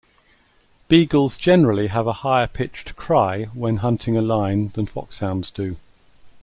Beagles generally have a higher pitched "cry" when hunting a line than foxhounds do.